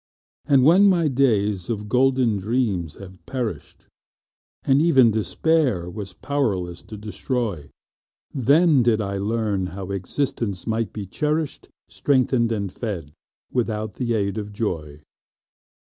But when my days of golden dreams had perished, And even Despair was powerless to destroy, Then did I learn how existence might be cherished, Strengthened and fed without the aid of joy.